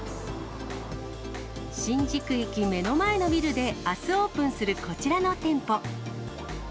新宿駅目の前のビルであすオープンするこちらの店舗。